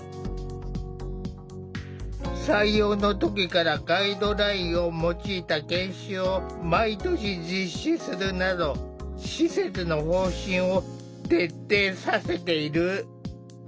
採用の時からガイドラインを用いた研修を毎年実施するなど施設の方針を徹底させている。